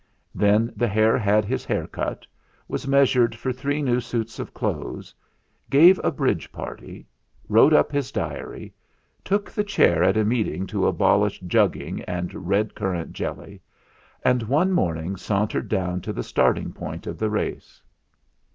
Then the hare had his hair cut, was measured for three new suits of clothes, gave a bridge party, wrote up his diary, took the chair at a meeting to abolish jugging and red currant jelly, and one morning sauntered down to the starting point of the race.